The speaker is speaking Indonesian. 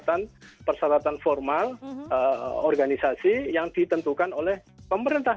berdasarkan persyaratan formal organisasi yang ditentukan oleh pemerintah